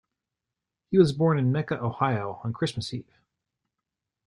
He was born in Mecca, Ohio, on Christmas Eve.